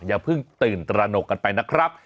อย่าเพิ่งตื่นตระหนกกันไปนะครับ